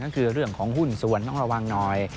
ก็คือเรื่องของหุ้นส่วนต้องระวังหน่อย